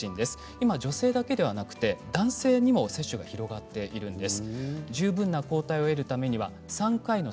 今、女性だけではなく男性にも接種が広がっています。